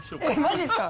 マジですか？